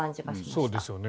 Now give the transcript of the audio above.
そうですよね。